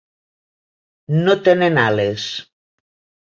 No tenen ales.